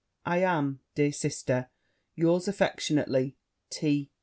I am, dear sister, yours affectionately, T.